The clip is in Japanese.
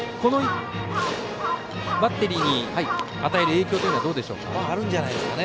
バッテリーに与える影響というのはどうでしょうか。